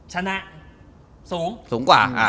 ชนะสูง